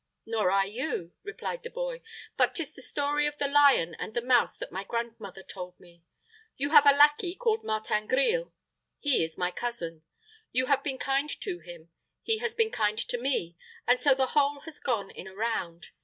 "Nor I you," replied the boy; "but 'tis the story of the lion and the mouse that my grandmother told me. You have a lackey called Martin Grille. He is my cousin. You have been kind to him; he has been kind to me; and so the whole has gone in a round.